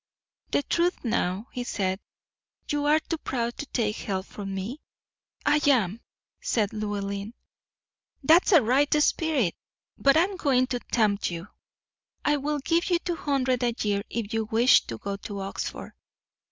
"The truth now," he said; "you are too proud to take help from me?" "I am," said Llewellyn. "That's a right spirit; but I am going to tempt you. I will give you two hundred a year if you wish to go to Oxford."